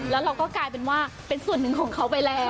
แล้วเราก็กลายเป็นว่าเป็นส่วนหนึ่งของเขาไปแล้ว